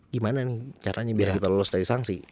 gimana caranya biar kita lolos dari sanksi